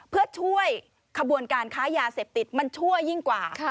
เพื่อช่วยขบวนการค้ายาเสพติดมันชั่วยิ่งกว่า